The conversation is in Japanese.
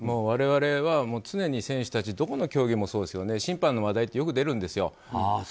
我々は、常に選手たちどこの競技もそうですよね審判の話題ってよく出るんですよ。